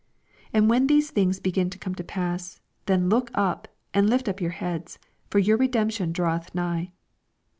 28 And when these things begin to come to pass, then look up, and lift up your heads ; for your redemption draweth nigh.